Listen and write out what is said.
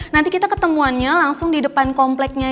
nanti kita ketemuannya langsung di depan kompleknya